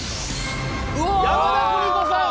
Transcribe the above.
山田邦子さん。